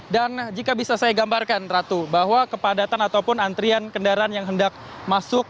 dan jika bisa saya gambarkan ratu bahwa kepadatan ataupun antrian kendaraan yang hendak masuk